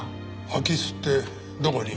空き巣ってどこに？